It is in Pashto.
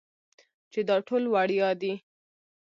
چې دا ټول وړيا دي.